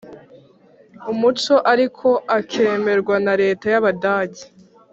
umuco ariko akemerwa na Leta y Abadage